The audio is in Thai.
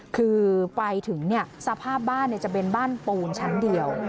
คือไปถึงสภาพบ้านจะเป็นบ้านปูนชั้นเดียว